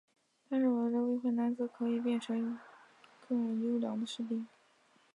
他认为未婚男子可以成为更优良的士兵。